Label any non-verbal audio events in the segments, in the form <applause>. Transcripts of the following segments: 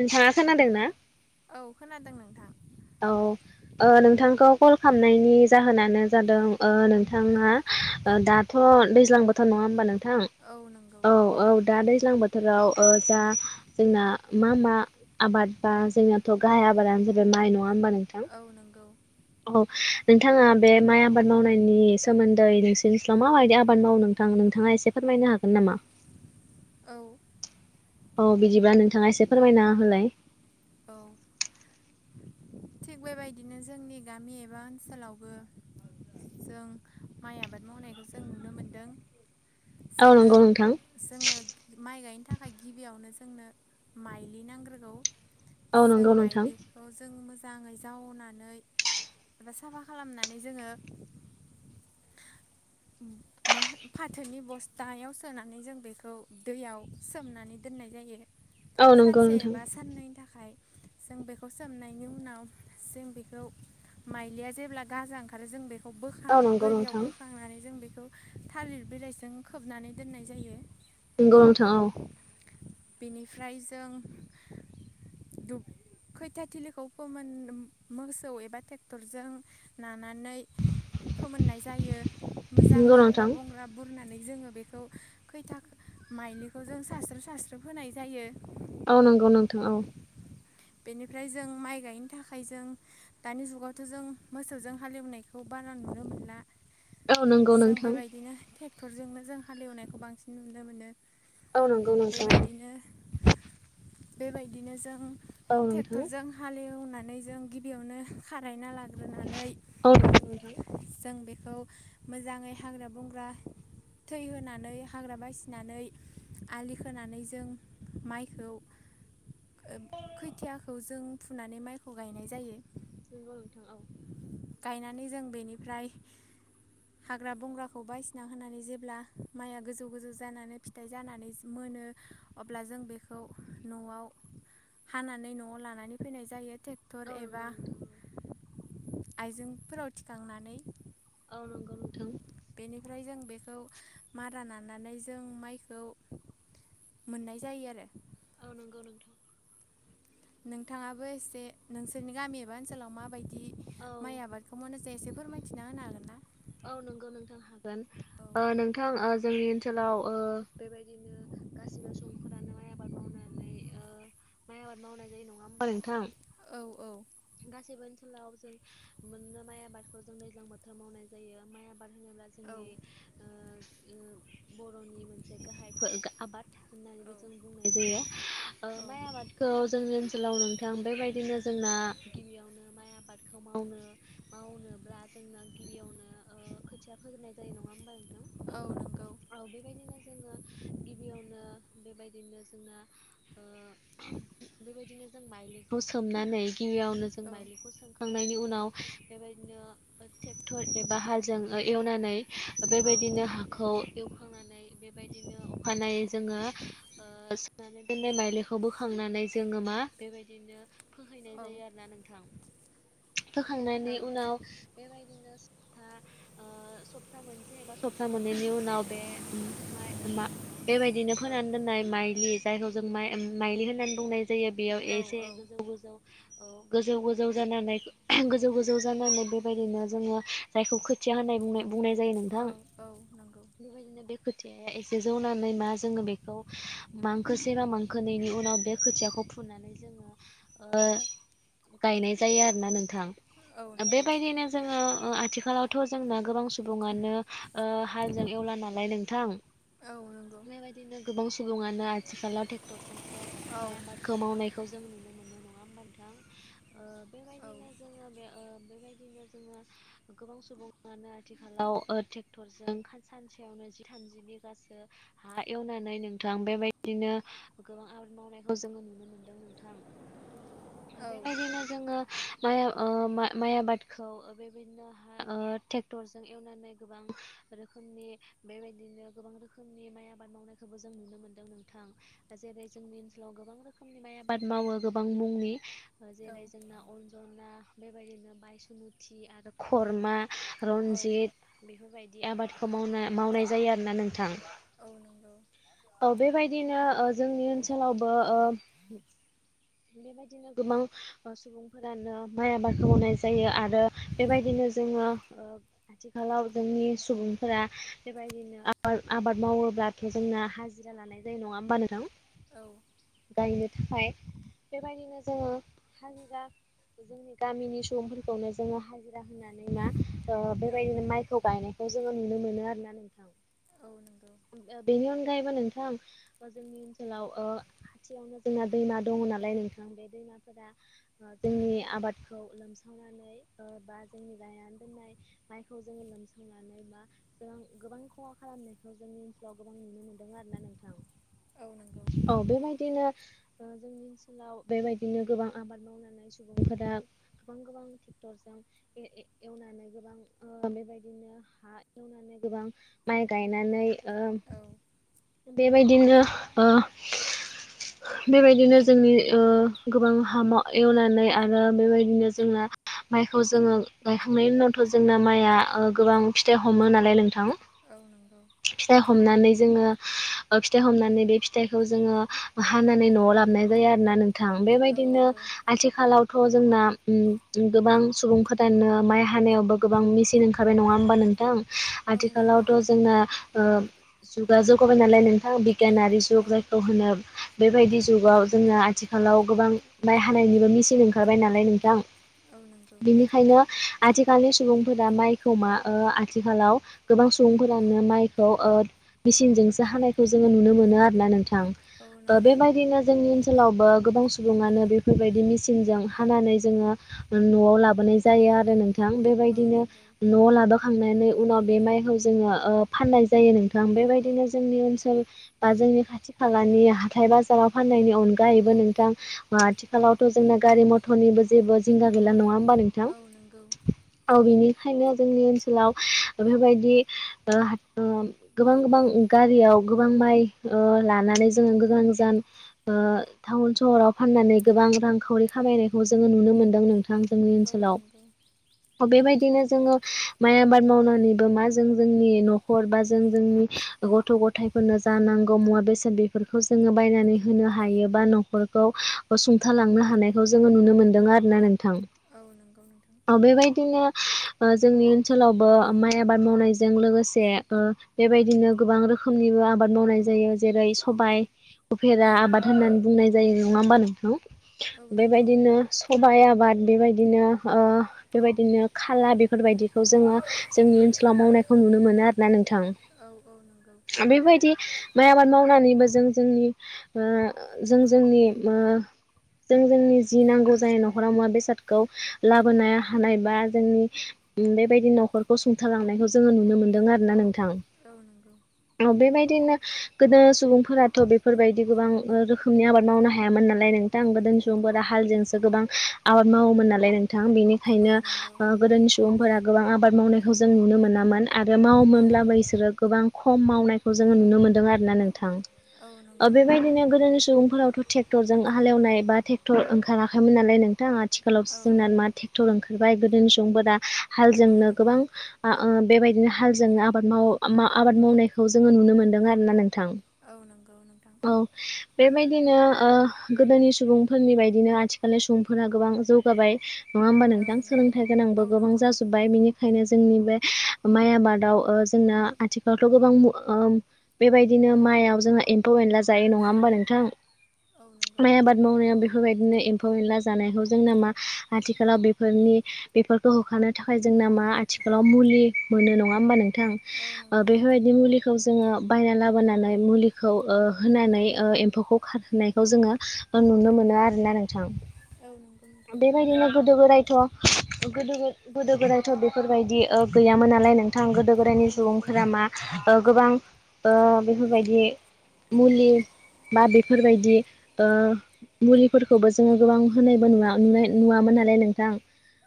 नोंथाङा खोनादोंना? औ खोनादों नोंथां। औ ओ नोंथांखौ कल खालामनायनि जाहोनानो जादों ओ नों थाङा दाथ' दैज्लां बोथोर नङा होमबा नोंथां औ औ दा दै ज्लां बोथोराव जा जोंना मा मा आबाद बा जोंनाथ' गाहाय आबादानो जाबाय माइ नङा होमबा नोंथां? औ नंगौ औ नोंथाङा बे माइ आबाद मावनायनि सोमोन्दै नोंसोरनिस्लाव माबायदि आबाद मावो नोंथां नोंथाङा एसे फोरमाय यनो हागोन नामा? औ। औ बिदिब्ला नोंथाङा एसे फोरमायना होलाय। औ। थिग बेबायदिनो जोंनि गामि एबा ओनसोलावबो जों माइ आबाद मावनायखौ जों नुनो मोनदों। औ जोंनो नंगौ नोंथां जोंनो माइ गायनो थाखाय गिबियावनो। जोंनो माइलि नांग्रोगौ औ जों नंगौ नोंथां माइलिखौ जों मोजा जाङै जावनानै एबा साफा खालामनानै जोङो <inaudible> मा फाथोनि बस्थायाव सोनानै जों बेखौ दैयाव सोमनानै दोन नाय जायो औ नंगौ सानसे नोंथां एबा साननैनि थाखाय जों बेखौ सोमनायनि उनाव जों बेखौ माइलिया जेब्ला गाजा ओंखारो जों बे खौ बोखां औ नंगौ बोरियाव नोंथां बोखांनानै जों बेखौ थालिर बिलाइजों खोबनानै दोननाय जायो। नंगौ नोंथां औ बेनिफ्राय जों दुब खैथिया थिलिखौ फोमोन मोसौ एबा ट्रेक्टरजों ना नानै फोमोननाय जायो मोजां नंगौ हाग्रा नोंथां बंग्रा बुरना नानै जोङो बेखौ खैथा माइलिखौ जों सास्रो सास्रो फोनाय जायो। औ नंगौ नोंथां औ। बेनिफ्राय जों माइ गायनो थाखाय जों दानि जुगावथ' जों मोसौजों हालेवनायखौ बा रा नुनो मोनला। औ नंगौ जों नोंथां बेबायदिनो ट्रेक्टरजोंनो जों हालेवनायखौ बांसिन नुनो मोनो। औ नागौ नोंथां बेबायदिनो औ। बेबायदिनो जों नोंथां ट्रेक्टरजों हालेवनानै जों गिबियावनो खारायना लादों। होनानै औ नंगौ नोंथां जों बेखौ मोजाङै हाग्रा बंग्रा थै होनानै हाग्रा बासिनानै आलि खोनानै जों माइखौ <inaudible> <unintelligible> खौ जों फुनानै माइखौ गायनाय जायो। नंगौ नोंथां औ। गायनानै जों बेनिफ्राय हाग्रा बंग्राखौ बायसिना होनानै जेब्ला माइया गोजौ गोजौ जानानै फिथाइ जानानै मोनो नो अब्ला जों बेखौ न'आव हानानै न'आव लानानै फैनाय जायो। ट्रेक्टर औ एबा नंगौ नोंथां आइजेंफोराव थिखांनानै औ नोंगौ नोंथां। खौ मारा नानानै जों माइखौ मोननाय जायो आरो। औ नोंगौ नोंथां। नोंथाङाबो एसे नोंसोरनि गामि एबा ओनसोलाव माबायदि औ माइ आबादखौ मावनो जे एसे फोरमायथिना होनो हागोन ना। औ नोंगौ नोंथां हागोन ओ नोंथां ओ जोंनि ओनसोलाव ओ बेबायदिनो गासिबो सुबुंफोरानो माइ आबाद मावनानै ओ माइ आबाद मावनानै नङा होमबा नोंथां। औ औ। गासैबो ओनसोलाव जों मोननो माइ आबादखौ जों दैज्लां बोथोर मावनाय जायो माइ आबाद आबाद होनोब्ला औ जोंनि ओ ओ बर'नि मोनसे गाहायफोर आबाद। होननानैबो जों औ बुंनाय जायो ओ माइ आबादखौ जोंनि ओन सोलाव नोंथां बेबायदिनो जोंना गिबियावनो माइ आबादखौ मावनो मावनोब्ला जोंना गिबियावनो ओ खोथिया फोग्रोनाय जायो नङा होमबा नोंथां औ नंगौ औ बेबायदिनो जोङो गिबियावनो बेबायदिनो जोंना ओ बेबायदिनो जों माइलिखौ सोमनानै इयावनो जों औ माइलिखौ सोमखांनायनि उनाव बेबायदिनो ट्रेक्टर एबा हाजों एवनानै औ बेबायदिनो हाखौ एवखांनानै बेबायदिनो अखानायै जोङो ओ सुनानै दोननाय माइलिखौ बोखांनानै जोङो मा बेबायदिनो फोहैनाय औ जायो आरो ना नोंथां। औ फोखांनायनि उनाव बेबायदिनो सपथा ओ ओ सप्ता मोनसे एबा सप्ता मोननैनि उनाव बे मा माय बेबायदिनो औ फोनानै दोननाय माइलि जायखौ जों मा माइलि होननानै बुंनाय जायो बेयाव औ एसे औ गोजौ गोजौ औ गोजौ गोजौ जानानै गोजौ गोजौ जानानै बेबायदिनो जोङो जायखौ खोथिया होननाय बुंनाय बुंनाय जायो औ नोंथां औ नंगौ बेबायदिनो खोथि एसे जौनानै मा जोङो बेखौ मांखोसेबा मांखोनायनि उनाव बे खोथियाखौ फुनानै जोङो ओ गायनाय जायो आरोना नोंथां। औ नंगौ बेबायदिनो जोङो ओ आथिखालावथ' जोंना गोबां सुबुङानो ओ हालजों एवला नालाय नोंथां औ नंगौ बेबायदिनो गोबां सम। सुबुङनो आथिखालाव ट्रेक्टर जोंसो औ माइ आबादखौ मावनाय खौ जों नुनो मोनो नङा होमबा नोंथां ओ औ बेबायदिनो जोङो बे ओ बेबायदिनो जोङो गोबां सुबुङानो आथिखालाव ओ ट्रेक्टरजों सानसेयावनो जि थामजि बिगासो हा एवनानै नोंथां बेबायदिनो गोबां आबाद मावनायखौ जोङो नुनो मोनदों नोंथां। <unintelligible> औ बेबायदिनो जोङो माइ ओ माइ आबादखौ बेबायदिनो ओ टेकथरजों एवनानै गोबां रोखोमनि बेबायदिनो गोबां रोखोमनि माय आबाद मावनायखौ जोङो नुनो मोनो नोंथां जेरै जोंनि ओनसोलाव गोबां रोखोमनि माय आबाद मावो गोबां मुंनि जेरै औ जोंना अनजना बेबायदिनो बायसुथि आरो खरमा औ रनजित बेफोरबायदि आबादखौ मावनो मावनाय जायो आरोना नोंथां। औ नोंगौ। बिदिनो ओ जोंनि ओनसोलावबो ओ बेबायदिनो गोबां ओ सुबुंफोरानो माइ आबादखौ मावनाय जायो आरो बेबायदिनो जोङो ओ आथिखालाव जोंनि सुबुंफोरा बेबायदिनो <unintelligible> आबाद मावोब्लाथे जोंना हाजिरा लानाय जायो नङा होमबा नोंथा औ गायनो फाय बेबायदिनो जोङो हाजिरा जोंनि गामिनि सुबुंफोरखौनो जोङो हाजिरा होनानै मा ओ बेबायदिनो माइखौ गायनायखौ जोङो नुनो मोनो आरो ना नोंथां औ नंगौ <unintelligible> ओ बेनि अनगायैबो नोंथां जोंनि ओनसोलाव ओ खाथियावनो जोंना दैमा दङ नालाय <unintelligible> बे दैमाफोरा जोंनि ओ आबादखौ लोमसावनानै ओ बा जोंनि गायनानै दोननाय माइखौ जोङो लोमसावनानै बा जों गोबां खहा खालामनायखौ जों जोंनि ओनसोलाव गोबां नुनो मोनदों आरो ना नोंथां औ नंगौ औ बेबायदिनो ओ जोंनि ओनसोलाव बेबायदिनो गोबां आबाद मावनानै सुबुंफोरा गोबां गोबां टरजों ए-ए-एवनानै गोबां ओ बेबायदिनो हा एवनानै गोबां माइ गायनानै औ ओ बेबायदिनो ओ बेबायदिनो जोंनि ओ गोबां हामा एवनानै आरो बेबायदिनो जोंना माइखौ जोङो गायखांनायनि उनावथ' जोंना माइआ ओ गोबां फिथाइ हमो नालाय नोंथां। औ नंगौ फिथाइ हमनानै जोङो ओ फिथाइ हमनानै बे फिथाइखौ जोङो हानानै न'आव लाबोनाय जायो आरोना नों थां औ बेबायदिनो नंगौ आथिखालावथ' जोंना ओम ओम गोबां सुबुंफोर <unintelligible> माइ हानायावबो गोबां मेसिन ओंखारबाय नङा होमबा नोंथां औ नंगौ आथिखालावथ' जोंना ओ जुगा जौगाबाय नालाय नोंथां बि गियानारि औ <unintelligible> बेबायदि जुगाव जोङो आथिखालाव गोबां माइ हानायनिबो मेचिन ओंखारबाय नालाय नोंथां। औ नंगौ <unintelligible> आथिखालनि सुबुंफोरा माइखौ मा आ ओ आथिखालाव गोबां सुबुंफोरानो माइखौ ओ मेसिनजोंसो हानायखौ जोङो नुनो मोनो आरोना नोंथां औ नंगौ औ ओ नंगौ बेबायदिनो जोंनि ओनसोलावबो गोबां सुबुङानो बे फोरबायदि मेसिनजों हानानै जोङो न'आव लाबोनाय जायो आरो नों। थां औ बेबायदिनो नंगौ न'आव लाबोखांनानै उनाव बे माइखौ जोङो ओ फाननाय जायो नोंथां बेबायदिनो जोंनि ओनसोल बा जोंनि खाथि खालानि हाथाय बाजाराव फाननायनि अनगायैबो नोंथां आथिखालावथ' जोंना गारि मथरनि जेबो जिंगा गैला नङा होमबा नों औ नंगौ औ बेनि खायनो जोंनि ओनसोलाव बेफोरबायदि ओ ओ गोबां गोबां गारियाव गोबां माइ ओ लानानै जोङो गोजान गोजान ओ ताउन सहराव फाननानै गोब बां रांखावरि खामायनायखौ जोङो नुनो मोनदों नोंथां जोंनि औ ओनसोलाव नंगौ बेबायदिनो जोङो माइ आबाद मावनानैबो मा जों जोंनि न' खरबा जों जोंनि गथ' ग थायफोरनो जा नांगौ मुवा बेसाद बेफोरखौ जोङो बायनानै होनो हायो बा न'खरखौ ओ सुं थालांनो हानायखौ जोङो नुनो मोनदों आरो ना नों औ नंगौ नोंथां बेबायदिनो ओ जोंनि ओनसोलावबो माइ आबाद मावनायजों लोगोसे ओ बेबाय दिनो गोबां रोखोमनिबो आबाद मावनाय जायो जेरै सबाय उफेरा औ आबाद होननानै बुंनाय जायो नङा होमबा औ नोंथां नंगौ बेबायदिनो सबाइ आबाद बेबायदिनो ओ बेबायदिनो खाला बेफोरबायदिखौ जोङो जोंनि ओनसोलाव मावनायखौ नुनो मोनो आरोना नों थां औ नंगौ बेबायदि माइ आबाद मावनानैबो जों जोंनि ओ जों जोंनि ओ जों जोंनि जि नांगौ जायो न'खराव मुवा बेसादखौ लाबोनाया हानाय बा जोंनि बेबायदि न'खरखौ सुंथालांनायखौ जोङो नुनो मोन्दों आरोना नों थां औ नंगौ औ बेबायदि दिनो गोदो सुबुंफोराथ' बेफोरबायदि गोबां रोखोमनि आबाद मावनो हायामोन नालाय नोंथां गो सुबुंफोरा हालजोंसो गोबां आबाद मावोमोन नालाय नोंथां बिनि औ खायनो नंगौ ओ गोदोनि सुबुंफोरा गोबां आबाद मावनायखौ जों नुनो मोनामोन। आरो औ मावोमोनब्लाबो इसोरो गोबां खम मावनायखौ जोङो नुनो मोन्दों आरोना नोंथां। औ ओ नंगौ बेबायदिनो गोदोनि सुबुंफोरावथ' टेक्टरजों हालेवनाय बा ट्रेक्टर ओंखाराखैमोन नालाय नोंथां आथिखालाव औ <unintelligible> ओंखारबाय गोदोनि सुबुंफोरा औ हालजोंनो नंगौ गोबां ओ बेबायदिनो हालजोंनो आबाद माव आ य-आबाद मावनायखौ जोङो नुनो मोन्दों आरोना नों थां औ नंगौ नोंथां <inaudible> औ बेबाय दिनो ओ गोदोनि सुबुंफोरनि बायदिनो आथिखालनि सुबुंफोरा गोबां जौगाबाय। नङा होमबा औ नोंथां नंगौ सोलोंथाइ गोनांबो औ गोबां नंगौ जाजोब्बाय। बेनिखायनो जोंनि बे माइ आबादाव जोंना आथिखालावथ' गोबां ओ बेबाय दिनो माइआव जोंहा एम्फौ एनला जायो नङा होमबा नोंथां? औ नंगौ माइ आबाद मावनायाव बेफोरबायदिनो एम्फौ एनला जानायखौ जोंनो मा आथिखालाव बेफोरनि बेफोरखौ होखारनो थाखाय जोंना मा आथिखालाव मुलि मोनो नङा होमबा नों थां औ ओ नंगौ बेफोरबायदि मुलि खौ जोङो बायना लाबोनानै मुलिखौ ओ होनानै ओ एम्फौखौ खारहोनायखौ जोङो आं नुनो मोनो आरोना नोंथां। औ नंगौ नोंथां। बिदिनो गोदो गोदायथ' गोदो गोदो गोदो गोदायथ' बेफोरबायदि गैयामोन नालाय नोंथां गोदो औ गोदायनि नंगौ सुबुंफोरा मा ओ गोबां ओ बेफोरबायदि मुलि बा बेफोरबायदि ओ मुलिफोरखौबो जोङो गोबां होनायबो <unintelligible> नुवामोन नालाय नोंथां।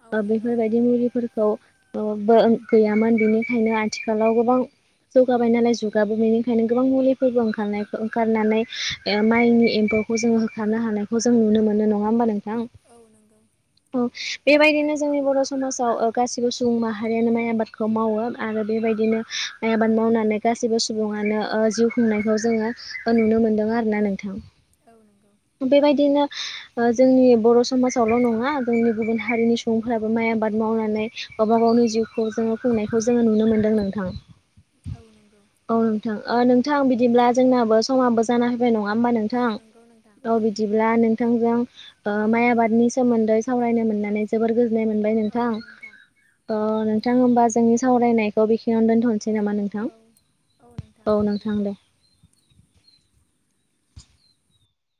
औ ओ नंगौ बेफोरबायदि मुलिफोरखौ बो ओ गैयामोन बेनिखायनो आथिखालाव गोबां जौगाबाय नालाय जुगाबो बेनिखायनो गोबां मुलिफोरबो ओंखार ओंखारनानै माइनि एम्फौ खौ जों होखार हानायखौ जों नुनो मोनो नङा होमबा नों औ नंगौ औ बेबायदिनो जोंनि बर' समाजाव ओ गासिबो सुबुं माहारियानो माइ आबादखौ मावो आरो बेबायदिनो माइ आबाद मावनानै गासैबो सुबुङानो ओ जिउ खुंनायखौ जोङो ओ नुनो मोन दों आरोना नोंथां औ नंगौ बेबायदिनो ओ जोंनि बर' समाज आवल' नङा जोंनि गुबुन हारिनि सुबुंफोराबो माइ आबाद मावनानै गावबा गावनि जिउखौ जोङो बुंनायखौ खौ जोङो नुनो मोनदों नोंथां। औ नंगौ औ नोंथां ओ नोंथां बिदिब्ला जोंनाबो समाबो जाना नङा होमबा औ नोंथां नंगौ नोंथां औ बिदिल्बा नोंथांजों ओ माइ आबादनि सोमोन्दै सावरायनो मोननानै जोबोर गोजोननाय मोनबाय नोंथां ओ बिथां होनबा जोंनि सावरायनायखौ बिखनियावनो दोनथ'नो सै नामा नोंथां औ औ नोंथां दे।